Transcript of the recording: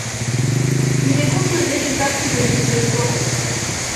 Il est composé d'une partie de l'île de Florès.